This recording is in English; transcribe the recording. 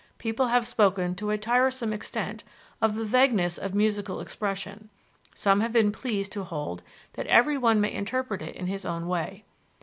People have spoken to a tiresome extent of the vagueness of musical expression; some have been pleased to hold that every one may interpret it in his own way.